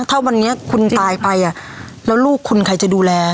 ถ้าวันนี้คุณตายไปแล้วลูกคุณใครจะดูแล